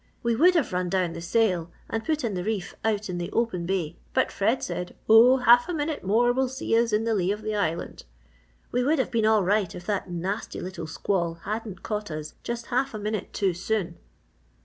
"We would have run down the sail and put in the reef out in the open bay but Fred said, 'Oh, half a minute more will see us in the lee of the island.' We would have been all right if that nasty little squall hadn't caught us just half a minute too soon!"